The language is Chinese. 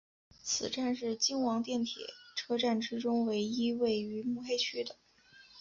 此站是京王电铁车站之中唯一位于目黑区的。